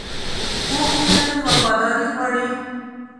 پوخ مینه تل وفاداري غواړي